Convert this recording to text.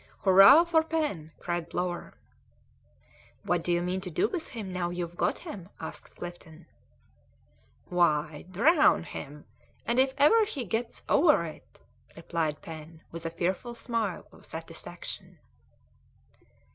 "Hurrah for Pen!" cried Plover. "What do you mean to do with him now you've got him?" asked Clifton. "Why, drown him, and if ever he gets over it " replied Pen, with a fearful smile of satisfaction.